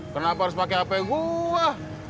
kenapa harus pakai hp gue